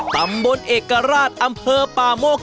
ตำบลเอกราชอำเภอป่าโมก